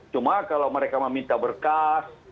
cuma kalau mereka meminta berkas